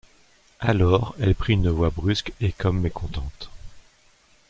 Alors, elle prit une voix brusque et comme mécontente.